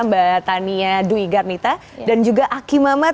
mbak tania dwi garnita dan juga aki mamat